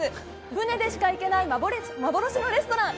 さらに香川県初、船でしか行けない幻のレストラン。